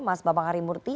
mas bapak harimurti